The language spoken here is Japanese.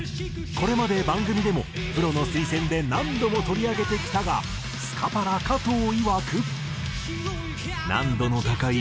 これまで番組でもプロの推薦で何度も取り上げてきたがスカパラ加藤いわく。